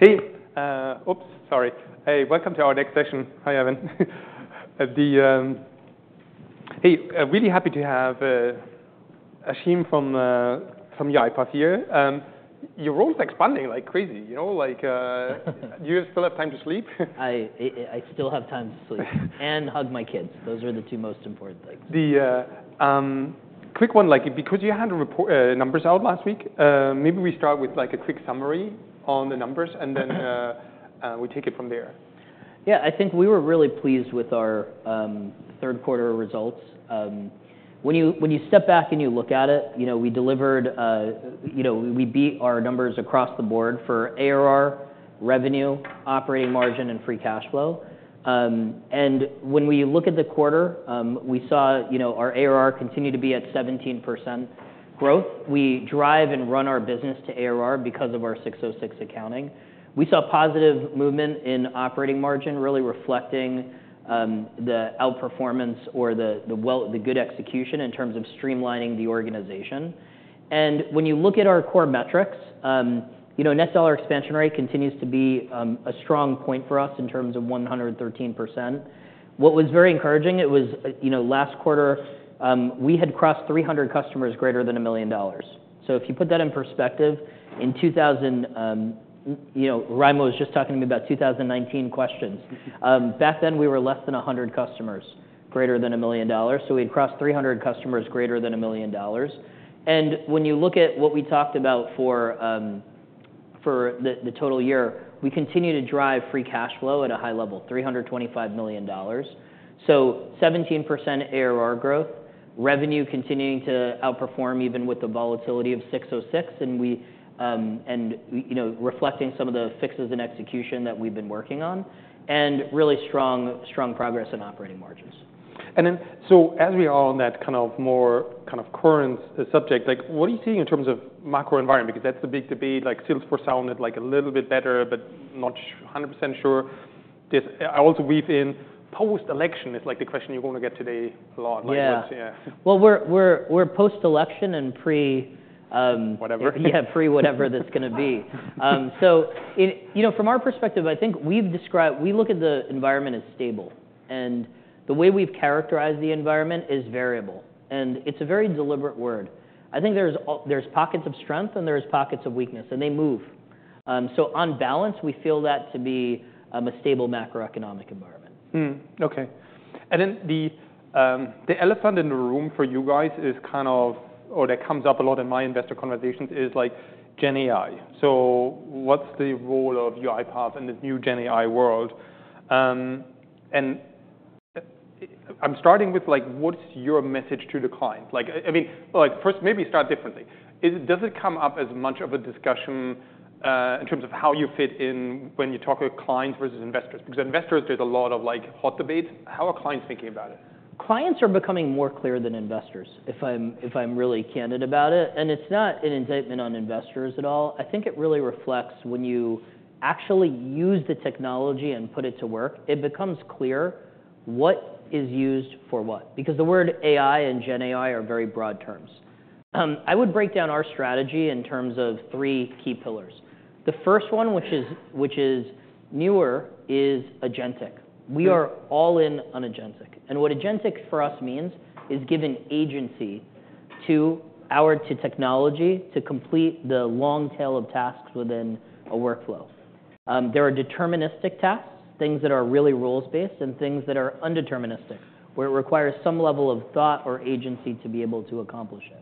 Oops, sorry. Hey, welcome to our next session. Hi, Evan. Hey, really happy to have Ashim from UiPath here. Your world's expanding like crazy, you know? Like, do you still have time to sleep? I still have time to sleep and hug my kids. Those are the two most important things. A quick one, like, because you had reported numbers out last week. Maybe we start with, like, a quick summary on the numbers and then we take it from there. Yeah, I think we were really pleased with our third quarter results. When you step back and you look at it, you know, we delivered, you know, we beat our numbers across the board for ARR, revenue, operating margin, and free cash flow. When we look at the quarter, we saw, you know, our ARR continued to be at 17% growth. We drive and run our business to ARR because of our 606 accounting. We saw positive movement in operating margin, really reflecting the outperformance or the, well, the good execution in terms of streamlining the organization. When you look at our core metrics, you know, net dollar expansion rate continues to be a strong point for us in terms of 113%. What was very encouraging, it was, you know, last quarter, we had crossed 300 customers greater than $1 million. So if you put that in perspective, in 2019, you know, Raimo was just talking to me about 2019 questions. Back then we were less than 100 customers greater than a million dollars. So we had crossed 300 customers greater than a million dollars. And when you look at what we talked about for the total year, we continue to drive free cash flow at a high level, $325 million. So 17% ARR growth, revenue continuing to outperform even with the volatility of 606, and we and you know reflecting some of the fixes and execution that we've been working on, and really strong, strong progress in operating margins. And then, so as we are on that kind of more kind of current subject, like, what do you see in terms of macro environment? Because that's the big debate, like, Salesforce sounded like a little bit better, but not 100% sure. There's. I also weave in post-election is like the question you're going to get today a lot. Yeah. Like, what's, yeah. Well, we're post-election and pre. Whatever. Yeah, pre whatever that's going to be. So in, you know, from our perspective, I think we've described, we look at the environment as stable, and the way we've characterized the environment is variable, and it's a very deliberate word. I think there's pockets of strength and there's pockets of weakness, and they move. So on balance, we feel that to be a stable macroeconomic environment. Okay, and then the elephant in the room for you guys is kind of, or that comes up a lot in my investor conversations, is like GenAI, so what's the role of UiPath in this new GenAI world, and I'm starting with, like, what's your message to the client? Like, I mean, like, first, maybe start differently. Does it come up as much of a discussion, in terms of how you fit in when you talk to clients versus investors? Because investors, there's a lot of, like, hot debates. How are clients thinking about it? Clients are becoming more clear than investors, if I'm really candid about it. It's not an indictment on investors at all. I think it really reflects when you actually use the technology and put it to work, it becomes clear what is used for what. Because the word AI and GenAI are very broad terms. I would break down our strategy in terms of three key pillars. The first one, which is newer, is agentic. We are all in on agentic. What agentic for us means is giving agency to technology to complete the long tail of tasks within a workflow. There are deterministic tasks, things that are really rules-based and things that are non-deterministic, where it requires some level of thought or agency to be able to accomplish it.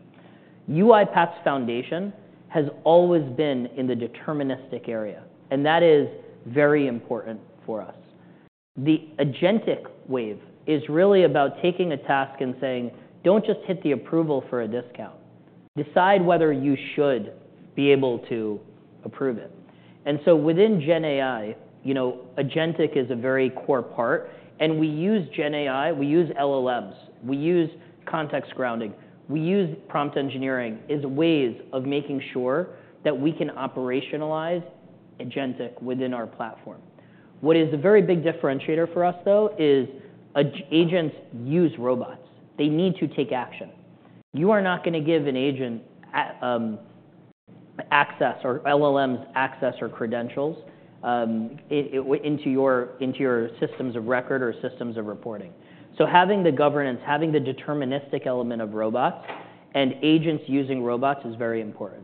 UiPath's foundation has always been in the deterministic area, and that is very important for us. The agentic wave is really about taking a task and saying, don't just hit the approval for a discount. Decide whether you should be able to approve it, and so within GenAI, you know, agentic is a very core part, and we use GenAI, we use LLMs, we use context grounding, we use prompt engineering as ways of making sure that we can operationalize agentic within our platform. What is a very big differentiator for us, though, is agents use robots. They need to take action. You are not going to give an agent access or LLMs access or credentials into your systems of record or systems of reporting. So having the governance, having the deterministic element of robots and agents using robots is very important.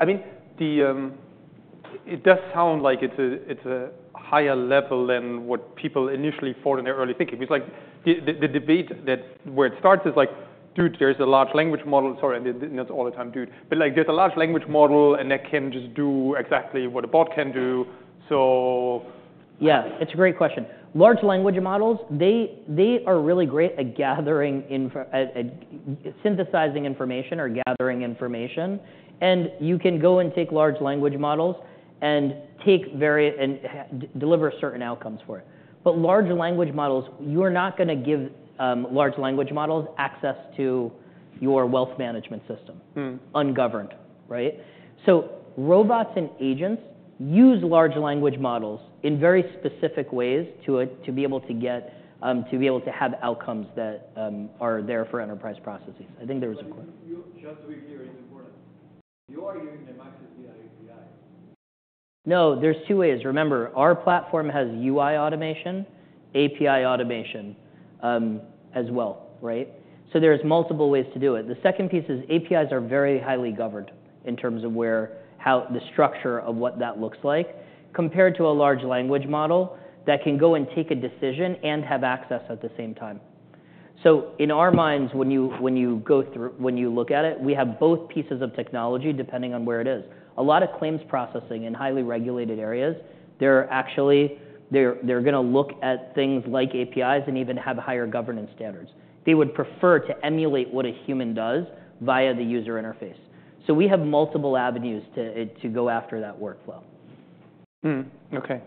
I mean, it does sound like it's a higher level than what people initially thought in their early thinking. It's like the debate that where it starts is like, dude, there's a Large Language Model. Sorry, I didn't know that all the time, dude. But like, there's a Large Language Model and that can just do exactly what a bot can do. So. Yeah, it's a great question. Large Language Models, they are really great at gathering information, at synthesizing information or gathering information. And you can go and take Large Language Models and take very and deliver certain outcomes for it. But Large Language Models, you are not going to give Large Language Models access to your Wealth Management System. Ungoverned, right? So robots and agents use Large Language Models in very specific ways to be able to have outcomes that are there for enterprise processes. I think there was a question. Just to be clear, it's important. You are using the Maxis VIA API. No, there's two ways. Remember, our platform has UI automation, API automation, as well, right? So there's multiple ways to do it. The second piece is APIs are very highly governed in terms of where, how the structure of what that looks like compared to a Large Language Model that can go and take a decision and have access at the same time. So in our minds, when you go through, when you look at it, we have both pieces of technology depending on where it is. A lot of claims processing in highly regulated areas, they're actually going to look at things like APIs and even have higher governance standards. They would prefer to emulate what a human does via the user interface. So we have multiple avenues to go after that workflow. Okay.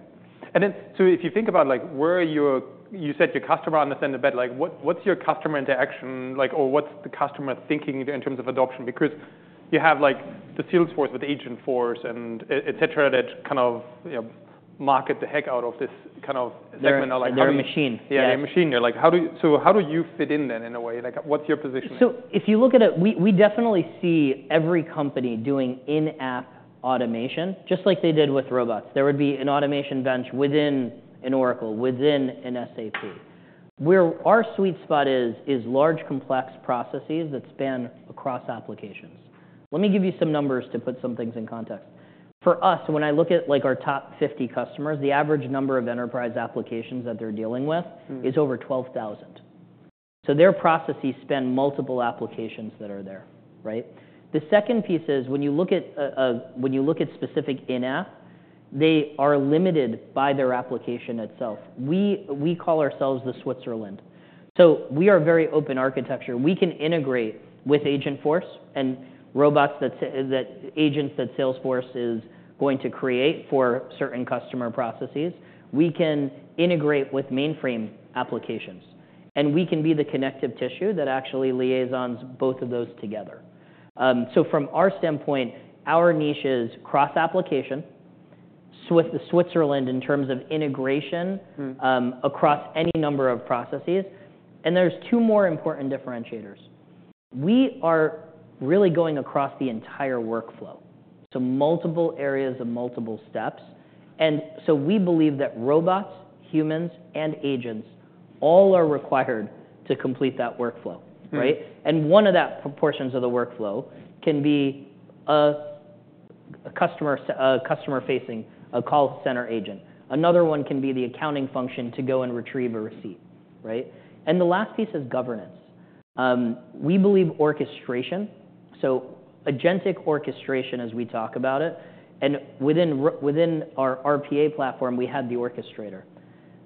And then, so if you think about, like, where are your, you said your customer understanding bit, like, what, what's your customer interaction, like, or what's the customer thinking in terms of adoption? Because you have, like, the Salesforce with Agentforce and et cetera that kind of, you know, market the heck out of this kind of segment. Yeah, you're a machine. Yeah, you're a machine. You're like, so how do you fit in then in a way? Like, what's your position? So if you look at it, we, we definitely see every company doing in-app automation, just like they did with robots. There would be an automation bench within an Oracle, within an SAP. Where our sweet spot is, is large complex processes that span across applications. Let me give you some numbers to put some things in context. For us, when I look at, like, our top 50 customers, the average number of enterprise applications that they're dealing with is over 12,000. So their processes span multiple applications that are there, right? The second piece is when you look at, when you look at specific in-app, they are limited by their application itself. We, we call ourselves the Switzerland. So we are very open architecture. We can integrate with Agentforce and robots that, that agents that Salesforce is going to create for certain customer processes. We can integrate with mainframe applications, and we can be the connective tissue that actually liaises both of those together, so from our standpoint, our niche is cross-application like Switzerland in terms of integration, across any number of processes. And there's two more important differentiators. We are really going across the entire workflow, so multiple areas of multiple steps, and so we believe that robots, humans, and agents all are required to complete that workflow, right? And one of those portions of the workflow can be a customer, a customer-facing, a call center agent. Another one can be the accounting function to go and retrieve a receipt, right? And the last piece is governance. We believe orchestration, so agentic orchestration as we talk about it. And within our RPA platform, we had the Orchestrator.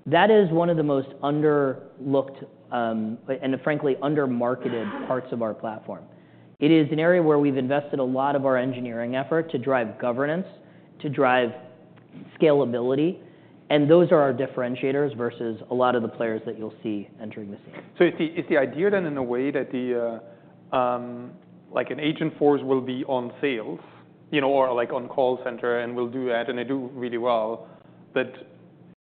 That is one of the most underlooked, and frankly undermarketed parts of our platform. It is an area where we've invested a lot of our engineering effort to drive governance, to drive scalability. And those are our differentiators versus a lot of the players that you'll see entering the scene. So, is the idea then, in a way, that like an Agentforce will be on sales, you know, or like on call center and will do that and they do really well, that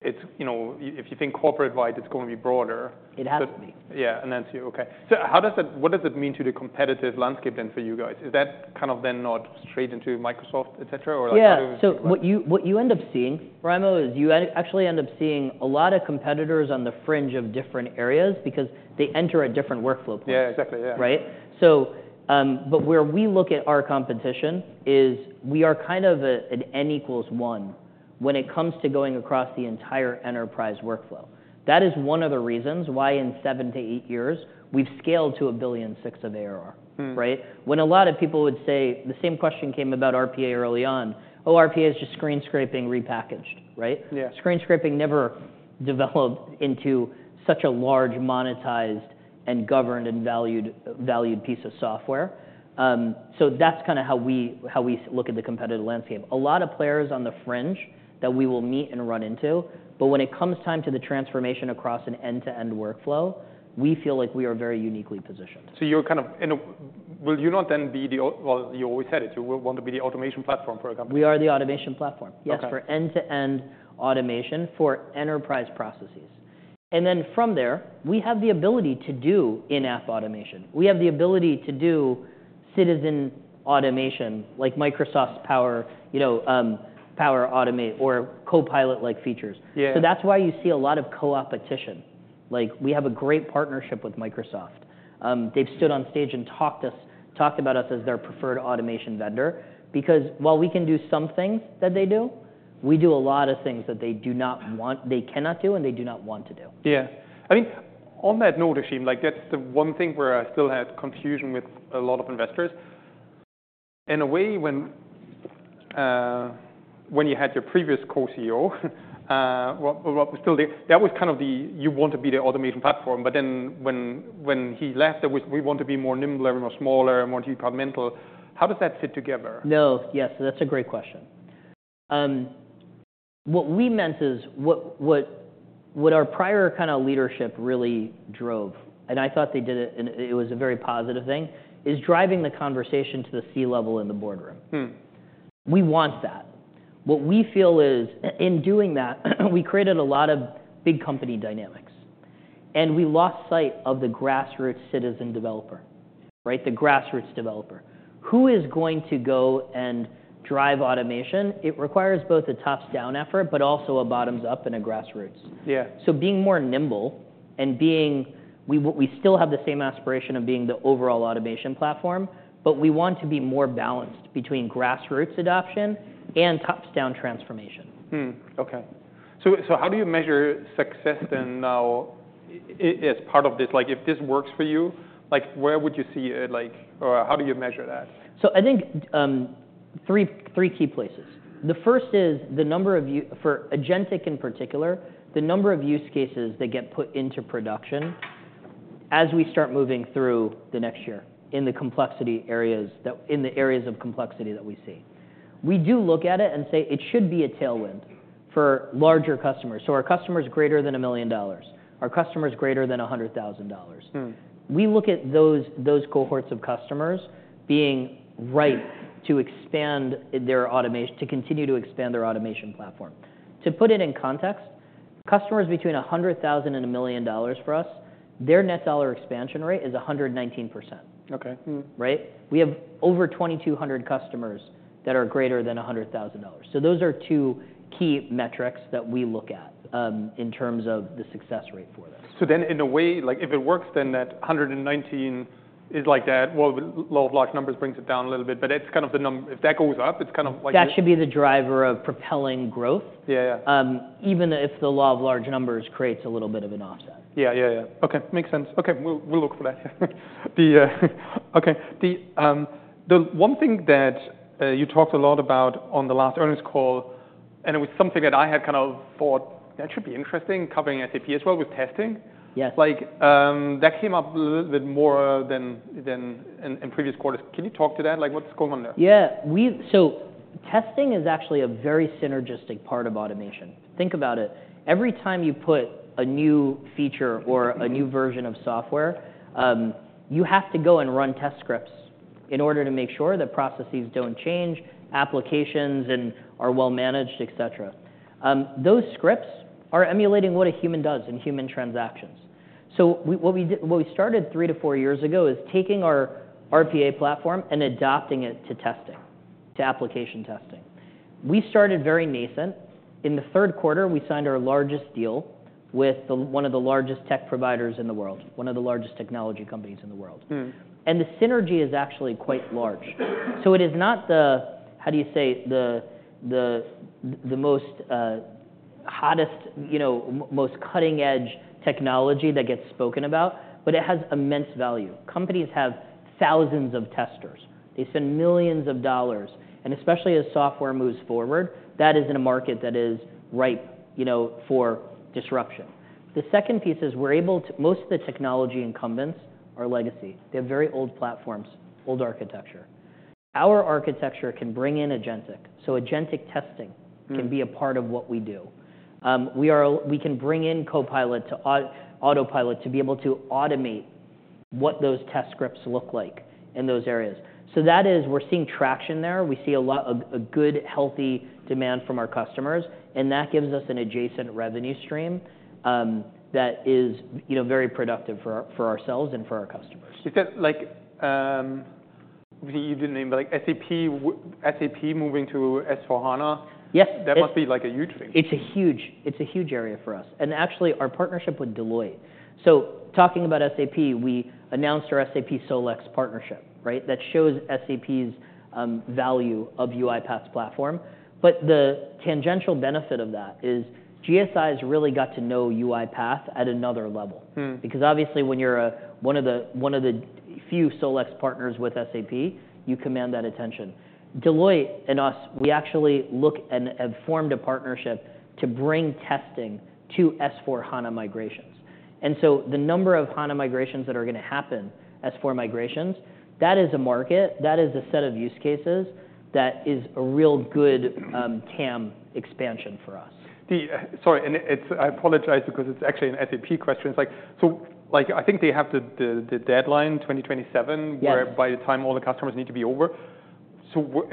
it's, you know, if you think corporate-wide, it's going to be broader. It has to be. Yeah, and then so, okay. So how does that, what does it mean to the competitive landscape then for you guys? Is that kind of then not straight into Microsoft, et cetera, or like sort of. Yeah. So what you end up seeing, Raimo, is you actually end up seeing a lot of competitors on the fringe of different areas because they enter at different workflow points. Yeah, exactly, yeah. Right? So, but where we look at our competition is we are kind of an N equals 1 when it comes to going across the entire enterprise workflow. That is one of the reasons why in seven to eight years, we've scaled to 1.6 billion of ARR, right? When a lot of people would say, the same question came about RPA early on, oh, RPA is just screen scraping repackaged, right? Yeah. Screen scraping never developed into such a large monetized and governed and valued, valued piece of software. So that's kind of how we look at the competitive landscape. A lot of players on the fringe that we will meet and run into, but when it comes time to the transformation across an end-to-end workflow, we feel like we are very uniquely positioned. You always said it, you will want to be the automation platform for a company. We are the automation platform. Okay. Yes, for end-to-end automation for enterprise processes. And then from there, we have the ability to do in-app automation. We have the ability to do citizen automation, like Microsoft's Power, you know, Power Automate or Copilot-like features. Yeah. So that's why you see a lot of co-opetition. Like, we have a great partnership with Microsoft. They've stood on stage and talked about us as their preferred automation vendor. Because while we can do some things that they do, we do a lot of things that they do not want, they cannot do, and they do not want to do. Yeah. I mean, on that note, Ashim, like that's the one thing where I still had confusion with a lot of investors. In a way, when you had your previous co-CEO, well, but still there, that was kind of the, you want to be the automation platform, but then when he left, there was, we want to be more nimbler and more smaller and want to be incremental. How does that fit together? No, yes, that's a great question. What we meant is what our prior kind of leadership really drove, and I thought they did it, and it was a very positive thing, is driving the conversation to the C level in the boardroom. We want that. What we feel is in doing that, we created a lot of big company dynamics, and we lost sight of the grassroots citizen developer, right? The grassroots developer. Who is going to go and drive automation? It requires both a tops-down effort, but also a bottoms-up and a grassroots. Yeah. So being more nimble, we still have the same aspiration of being the overall automation platform, but we want to be more balanced between grassroots adoption and top-down transformation. Okay. So how do you measure success then now as part of this, like, where would you see it, like, or how do you measure that? I think three key places. The first is, for agentic in particular, the number of use cases that get put into production as we start moving through the next year in the areas of complexity that we see. We do look at it and say it should be a tailwind for larger customers. Our customers greater than $1 million, our customers greater than $100,000. We look at those cohorts of customers being ripe to expand their automation, to continue to expand their automation platform. To put it in context, customers between $100,000 and $1 million for us, their net dollar expansion rate is 119%. Okay. Right? We have over 2,200 customers that are greater than $100,000. So those are two key metrics that we look at, in terms of the success rate for them. So then, in a way, like, if it works, then that 119 is like that, well, the law of large numbers brings it down a little bit, but it's kind of the num, if that goes up, it's kind of like. That should be the driver of propelling growth. Yeah, yeah. Even if the law of large numbers creates a little bit of an offset. Yeah, yeah, yeah. Okay, makes sense. Okay, we'll look for that. The one thing that you talked a lot about on the last earnings call, and it was something that I had kind of thought that should be interesting, covering SAP as well with testing. Yes. Like, that came up a little bit more than in previous quarters. Can you talk to that? Like, what's going on there? Yeah, we, so testing is actually a very synergistic part of automation. Think about it. Every time you put a new feature or a new version of software, you have to go and run test scripts in order to make sure that processes don't change, applications are well managed, et cetera. Those scripts are emulating what a human does in human transactions. So we, what we did, what we started three to four years ago is taking our RPA platform and adapting it to testing, to application testing. We started very nascent. In the third quarter, we signed our largest deal with one of the largest tech providers in the world, one of the largest technology companies in the world. And the synergy is actually quite large. It is not the most hottest, you know, most cutting-edge technology that gets spoken about, but it has immense value. Companies have thousands of testers. They spend millions of dollars. Especially as software moves forward, that is in a market that is ripe, you know, for disruption. The second piece is we're able to. Most of the technology incumbents are legacy. They have very old platforms, old architecture. Our architecture can bring in agentic. So agentic testing can be a part of what we do. We can bring in Copilot to Autopilot to be able to automate what those test scripts look like in those areas. That is, we're seeing traction there. We see a lot of good, healthy demand from our customers, and that gives us an adjacent revenue stream, that is, you know, very productive for ourselves and for our customers. Is that like, you didn't name, but like SAP, SAP moving to S/4HANA? Yes. That must be like a huge thing. It's a huge, it's a huge area for us. Actually our partnership with Deloitte. Talking about SAP, we announced our SAP SOLEX partnership, right? That shows SAP's value of UiPath's platform. But the tangential benefit of that is GSIs really got to know UiPath at another level. Because obviously when you're one of the few SOLEX partners with SAP, you command that attention. Deloitte and us, we actually look and have formed a partnership to bring testing to S/4HANA migrations. The number of HANA migrations that are going to happen, S/4 migrations, that is a market, that is a set of use cases that is a real good TAM expansion for us. Sorry, and it's, I apologize because it's actually an SAP question. It's like, so like, I think they have the deadline 2027. Yes. Where, by the time all the customers need to be over. So we're,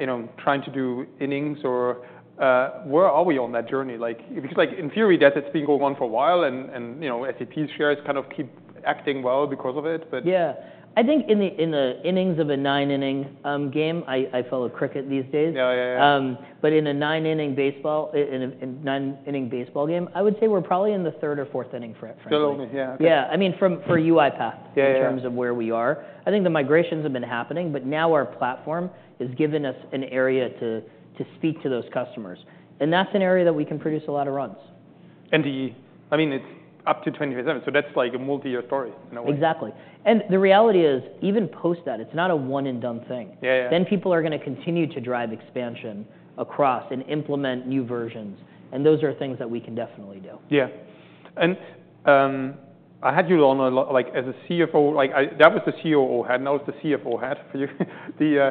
you know, trying to do innings or, where are we on that journey? Like, because like in theory, that's been going on for a while and, you know, SAP's shares kind of keep acting well because of it, but. Yeah. I think in the innings of a nine-inning game, I follow cricket these days. Yeah, yeah, yeah. But in a nine-inning baseball game, I would say we're probably in the third or fourth inning for it. Still only, yeah. Yeah. I mean, from, for UiPath. Yeah, yeah. In terms of where we are, I think the migrations have been happening, but now our platform has given us an area to speak to those customers, and that's an area that we can produce a lot of runs. I mean, it's up to 20%. So that's like a multi-year story. Exactly. And the reality is even post that, it's not a one-and-done thing. Yeah, yeah. People are going to continue to drive expansion across and implement new versions. Those are things that we can definitely do. Yeah. And I had you on a lot, like as a CFO, like I, that was the COO hat, and that was the CFO hat for you. The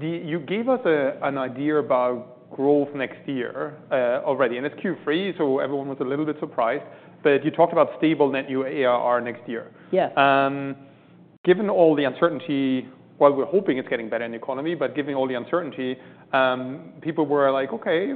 you gave us an idea about growth next year, already. And it's Q3, so everyone was a little bit surprised, but you talked about stable net new ARR next year. Yes. Given all the uncertainty, while we're hoping it's getting better in the economy, but given all the uncertainty, people were like, okay,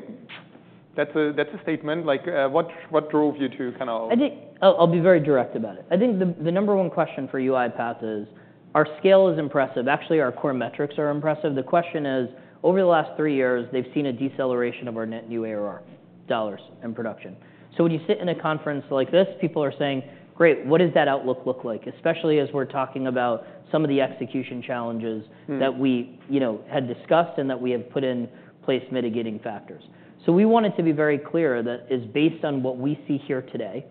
that's a, that's a statement. Like, what, what drove you to kind of. I think I'll be very direct about it. I think the number one question for UiPath is, our scale is impressive. Actually, our core metrics are impressive. The question is, over the last three years, they've seen a deceleration of our net new ARR dollars in production. So when you sit in a conference like this, people are saying, great, what does that outlook look like? Especially as we're talking about some of the execution challenges that we, you know, had discussed and that we have put in place mitigating factors. So we wanted to be very clear that is based on what we see here today.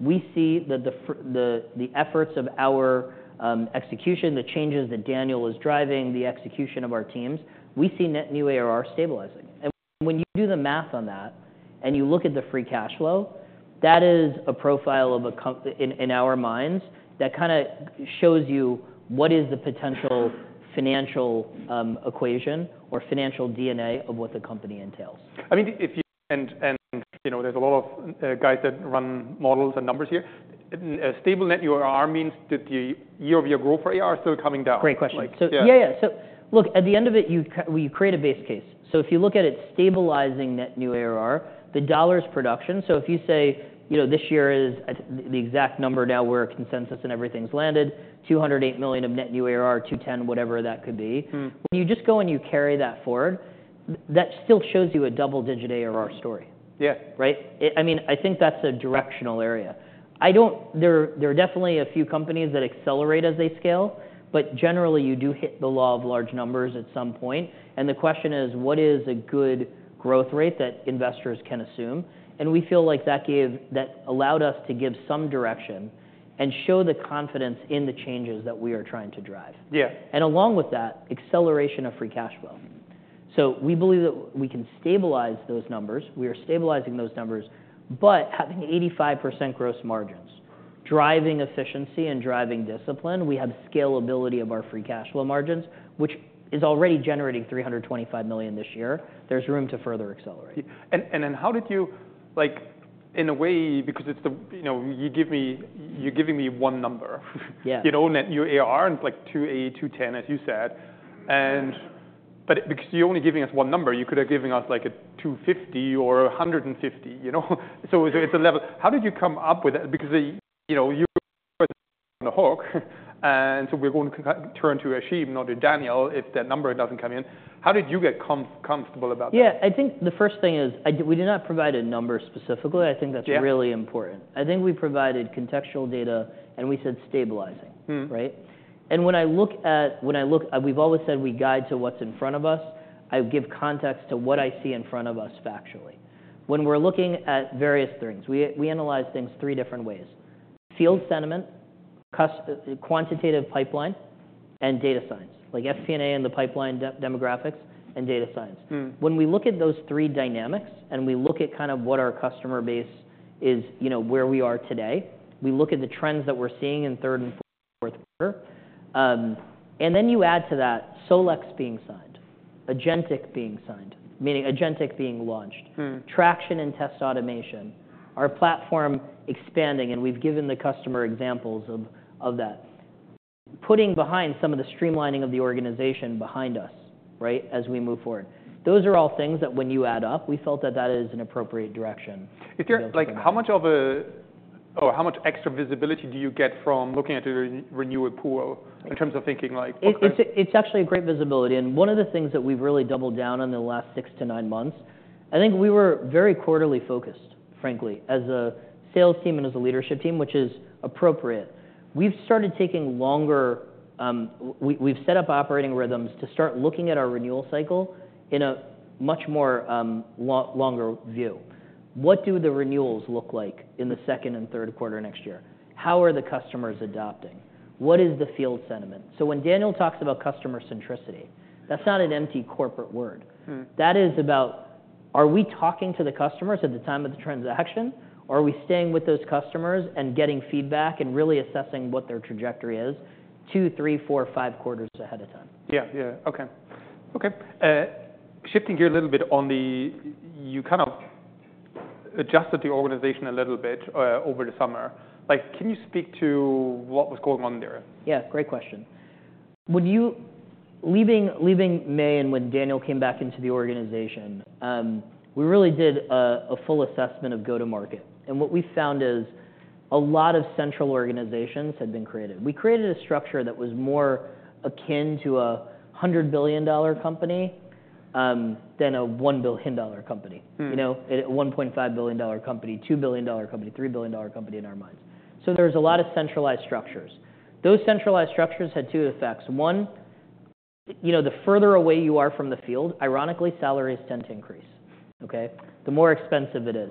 We see that the efforts of our execution, the changes that Daniel is driving, the execution of our teams, we see net new ARR stabilizing. And when you do the math on that and you look at the free cash flow, that is a profile of a comp in our minds that kind of shows you what is the potential financial equation or financial DNA of what the company entails. I mean, if you and you know, there's a lot of guys that run models and numbers here. Stable net new ARR means that the year-over-year growth for ARR is still coming down. Great question. Yeah. So, yeah, yeah. So look, at the end of it, you, we create a base case. So if you look at it stabilizing net new ARR, the dollars production, so if you say, you know, this year is the exact number now where consensus and everything's landed, 208 million of net new ARR, 210, whatever that could be. When you just go and you carry that forward, that still shows you a double-digit ARR story. Yeah. Right? I mean, I think that's a directional area. I don't, there are definitely a few companies that accelerate as they scale, but generally you do hit the law of large numbers at some point. And the question is, what is a good growth rate that investors can assume? And we feel like that gave, that allowed us to give some direction and show the confidence in the changes that we are trying to drive. Yeah. And along with that, acceleration of free cash flow. So we believe that we can stabilize those numbers. We are stabilizing those numbers, but having 85% gross margins, driving efficiency and driving discipline, we have scalability of our free cash flow margins, which is already generating $325 million this year. There's room to further accelerate. And then how did you, like, in a way, because it's the, you know, you give me, you're giving me one number? Yeah. You know, net new ARR and like 280, 210, as you said, and but because you're only giving us one number, you could have given us like a 250 or 150, you know, so it's a level. How did you come up with that? Because the, you know, you were on the hook, and so we're going to turn to Ashim, not to Daniel, if that number doesn't come in. How did you get comfortable about that? Yeah, I think the first thing is we did not provide a number specifically. I think that's really important. I think we provided contextual data and we said stabilizing. Right? And when I look, we've always said we guide to what's in front of us. I give context to what I see in front of us factually. When we're looking at various things, we analyze things three different ways: field sentiment, quantitative pipeline, and data science, like FP&A and the pipeline demographics and data science. When we look at those three dynamics and we look at kind of what our customer base is, you know, where we are today, we look at the trends that we're seeing in third and fourth quarter. And then you add to that SOLEX being signed, agentic being signed, meaning agentic being launched, traction in test automation, our platform expanding, and we've given the customer examples of that, putting behind some of the streamlining of the organization behind us, right, as we move forward. Those are all things that, when you add up, we felt that that is an appropriate direction. If you're like, how much of a, or how much extra visibility do you get from looking at the renewal pool in terms of thinking like? It's actually a great visibility. And one of the things that we've really doubled down on in the last six to nine months, I think we were very quarterly focused, frankly, as a sales team and as a leadership team, which is appropriate. We've started taking longer, we've set up operating rhythms to start looking at our renewal cycle in a much more, longer view. What do the renewals look like in the second and third quarter next year? How are the customers adopting? What is the field sentiment? So when Daniel talks about customer centricity, that's not an empty corporate word. That is about, are we talking to the customers at the time of the transaction? Are we staying with those customers and getting feedback and really assessing what their trajectory is two, three, four, five quarters ahead of time? Yeah, yeah. Okay. Okay. Shifting gear a little bit on the, you kind of adjusted the organization a little bit, over the summer. Like, can you speak to what was going on there? Yeah, great question. When you were leaving in May and when Daniel came back into the organization, we really did a full assessment of go-to-market. And what we found is a lot of central organizations had been created. We created a structure that was more akin to a $100 billion company than a $1 billion company. You know, a $1.5 billion company, $2 billion company, $3 billion company in our minds. So there was a lot of centralized structures. Those centralized structures had two effects. One, you know, the further away you are from the field, ironically, salaries tend to increase. Okay? The more expensive it is.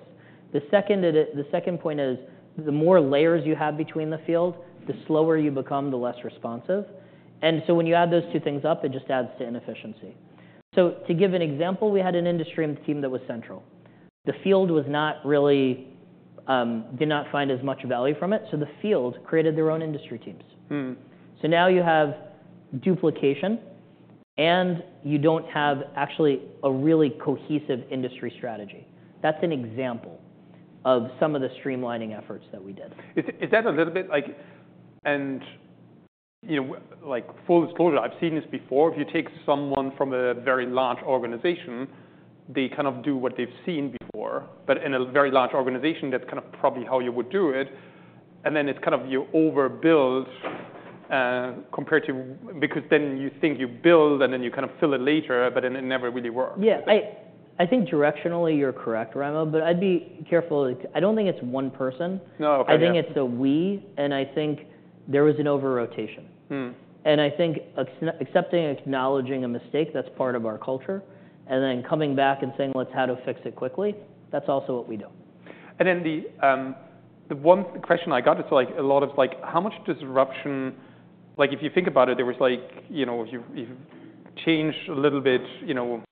The second point is the more layers you have between the field, the slower you become, the less responsive. And so when you add those two things up, it just adds to inefficiency. To give an example, we had an industry team that was central. The field did not find as much value from it. The field created their own industry teams. Now you have duplication and you don't have actually a really cohesive industry strategy. That's an example of some of the streamlining efforts that we did. Is that a little bit like, and you know, like full disclosure, I've seen this before. If you take someone from a very large organization, they kind of do what they've seen before, but in a very large organization, that's kind of probably how you would do it. And then it's kind of you overbuild, compared to, because then you think you build and then you kind of fill it later, but then it never really works. Yeah. I think directionally you're correct, Raimo, but I'd be careful. I don't think it's one person. No, okay. I think it's a we, and I think there was an over-rotation, and I think accepting, acknowledging a mistake, that's part of our culture, and then coming back and saying, let's how to fix it quickly, that's also what we do. And then the one question I got is like a lot of like, how much disruption. Like if you think about it, there was like, you know, you've changed a little bit, you know,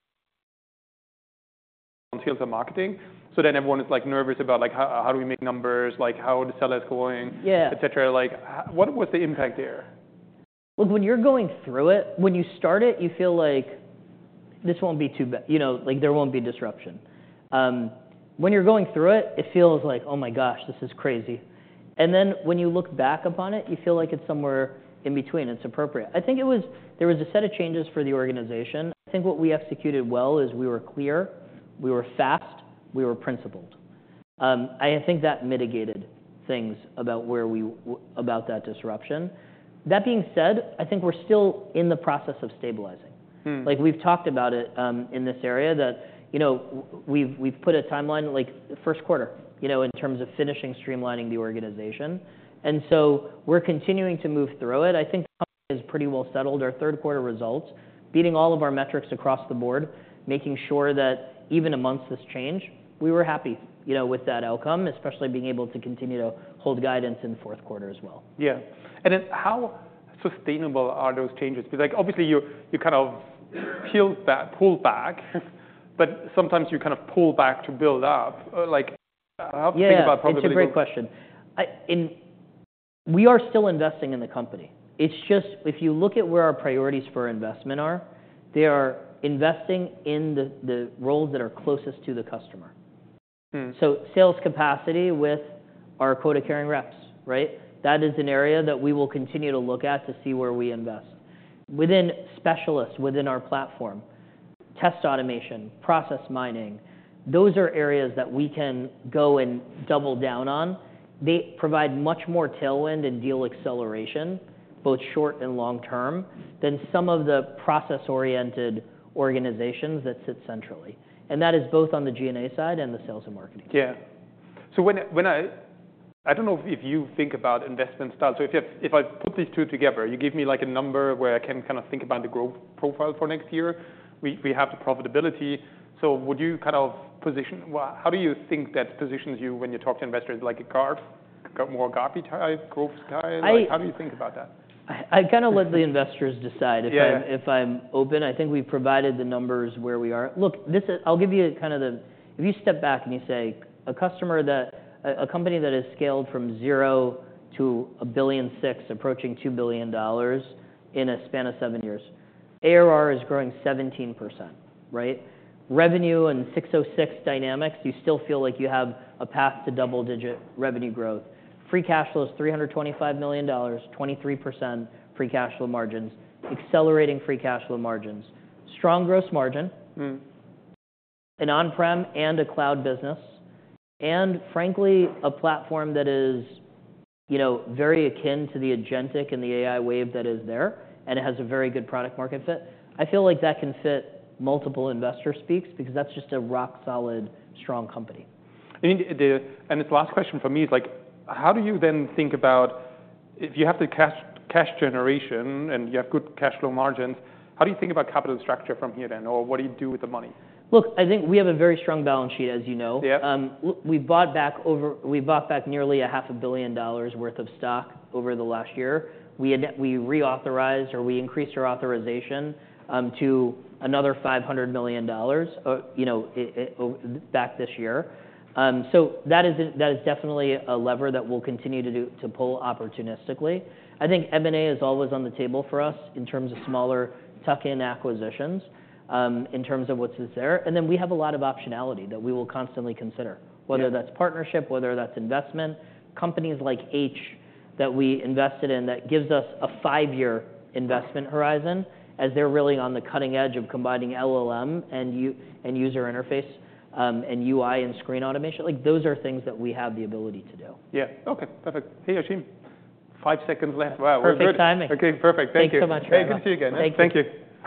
on Sales and Marketing. So then everyone is like nervous about like, how do we make numbers? Like how are the sellers going? Yeah. Et cetera. Like what was the impact there? Look, when you're going through it, when you start it, you feel like this won't be too bad, you know, like there won't be disruption. When you're going through it, it feels like, oh my gosh, this is crazy, and then when you look back upon it, you feel like it's somewhere in between. It's appropriate. I think it was, there was a set of changes for the organization. I think what we executed well is we were clear, we were fast, we were principled. I think that mitigated things about where we, about that disruption. That being said, I think we're still in the process of stabilizing. Like we've talked about it, in this area that, you know, we've put a timeline like first quarter, you know, in terms of finishing streamlining the organization, and so we're continuing to move through it. I think is pretty well settled. Our third quarter results, beating all of our metrics across the Board, making sure that even among this change, we were happy, you know, with that outcome, especially being able to continue to hold guidance in fourth quarter as well. Yeah. And then how sustainable are those changes? Because like obviously you kind of peel back, pull back, but sometimes you kind of pull back to build up. Like I have to think about probably. Yeah, it's a great question. Indeed, we are still investing in the company. It's just if you look at where our priorities for investment are, we are investing in the roles that are closest to the customer. So sales capacity with our quota carrying reps, right? That is an area that we will continue to look at to see where we invest. Within specialists, within our platform, test automation, process mining, those are areas that we can go and double down on. They provide much more tailwind and deal acceleration, both short and long-term, than some of the process-oriented organizations that sit centrally, and that is both on the G&A side and the Sales and Marketing. Yeah. So when I don't know if you think about investment style. So if I put these two together, you give me like a number where I can kind of think about the growth profile for next year. We have the profitability. So would you kind of position, how do you think that positions you when you talk to investors? Like a GARP, more GARP-y type, growth guy? How do you think about that? I kind of let the investors decide if I'm open. I think we provided the numbers where we are. Look, this is. I'll give you kind of the, if you step back and you say a customer that, a company that has scaled from $0 to $1.6 billion approaching $2 billion in a span of seven years, ARR is growing 17%, right? Revenue and 606 dynamics, you still feel like you have a path to double-digit revenue growth. Free cash flow is $325 million, 23% free cash flow margins, accelerating free cash flow margins, strong gross margin. An on-prem and a cloud business, and frankly, a platform that is, you know, very akin to the agentic and the AI wave that is there, and it has a very good product market fit. I feel like that can fit multiple investor speaks because that's just a rock solid, strong company. I mean, and this last question for me is like, how do you then think about if you have the cash generation and you have good cash flow margins, how do you think about capital structure from here then? Or what do you do with the money? Look, I think we have a very strong balance sheet, as you know. Yeah. We bought back nearly $500 million worth of stock over the last year. We reauthorized, or we increased, our authorization to another $500 million, you know, back this year. So that is definitely a lever that we'll continue to pull opportunistically. I think M&A is always on the table for us in terms of smaller tuck-in acquisitions, in terms of what's there. And then we have a lot of optionality that we will constantly consider, whether that's partnership, whether that's investment, companies like H that we invested in that gives us a five-year investment horizon as they're really on the cutting edge of combining LLM and user interface, and UI and screen automation. Like those are things that we have the ability to do. Yeah. Okay. Perfect. Hey, Ashim, five seconds left. Wow. Perfect timing. Okay. Perfect. Thank you. Thanks so much, Raimo. Hey, good to see you again. Thank you. Thank you.